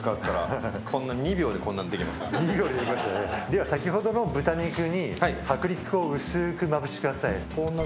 では先ほどの豚肉に薄力粉を薄くまぶしてください。